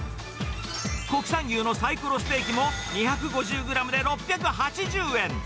国産牛のサイコロステーキも２５０グラムで６８０円。